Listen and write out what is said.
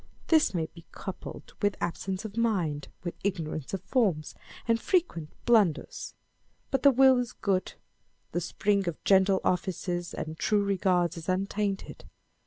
This may be coupled with absence of mind, with ignorance of forms, and fre quent blunders. But the will is good. The spring of gentle offices and true regards is untainted.